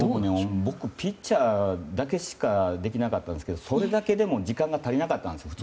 僕もピッチャーだけしかできなかったですけどそれだけでも時間が足りなくて。